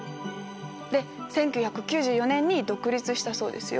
で１９９４年に独立したそうですよ。